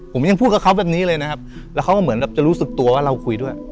ผมยังพูดกับเขาแบบนี้เลยนะครับแล้วเขาก็เหมือนแบบจะรู้สึกตัวว่าเราคุยด้วย